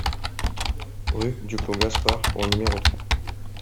Rue du Clos Gaspard au numéro trois